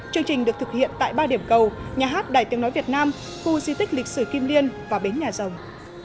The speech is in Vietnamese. chương trình được thực hiện tại ba điểm cầu nhà hát đài tiếng nói việt nam khu di tích lịch sử kim liên và bến nhà rồng